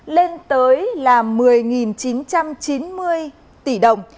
lên tới là một mươi chín trăm chín mươi tỷ đồng